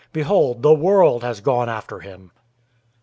Behold, the world has gone after him."